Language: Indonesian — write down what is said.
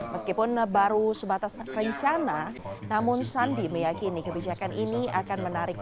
meskipun baru sebatas rencana namun sandi meyakini kebijakan ini akan menarik